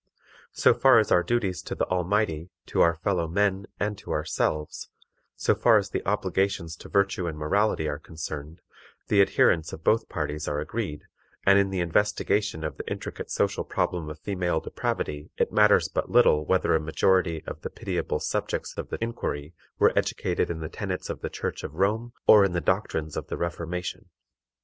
So far as our duties to the Almighty, to our fellow men, and to ourselves so far as the obligations to virtue and morality are concerned, the adherents of both parties are agreed, and in the investigation of the intricate social problem of female depravity it matters but little whether a majority of the pitiable subjects of the inquiry were educated in the tenets of the Church of Rome or in the doctrines of the Reformation.